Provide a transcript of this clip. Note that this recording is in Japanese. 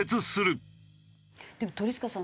でも鳥塚さん